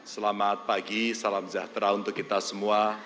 selamat pagi salam sejahtera untuk kita semua